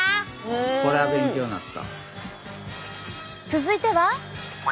これは勉強になった。